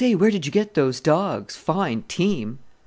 where did you get those dogs? Fine team!"